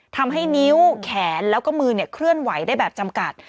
ทำให้นิ้วแขนแล้วก็มือเคลื่อนไหวได้แบบจำกัด